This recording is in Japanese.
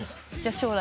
将来？